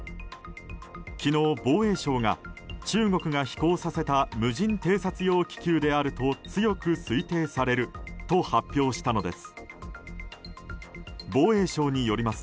昨日、防衛省が中国が飛行させた無人偵察用気球であると強く推定されると発表したのです。